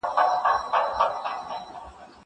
هغه څوک چي کالي مينځي منظم وي!!